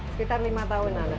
sekitar lima tahun